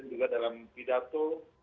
mungkin juga dalam pidato